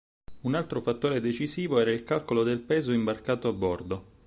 Un altro fattore decisivo era il calcolo del peso imbarcato a bordo.